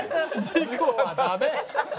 事故はダメ。